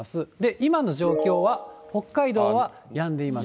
今の状況は、北海道はやんでいます。